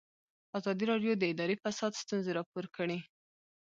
ازادي راډیو د اداري فساد ستونزې راپور کړي.